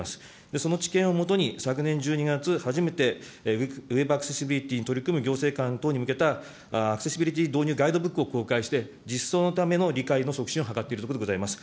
その知見を基に、昨年１２月、初めてウェブアクセシビリティに取り組む行政官等に向けたアクセシビリティ導入ガイドブックを公開して、実装のための理解の促進を図っているところでございます。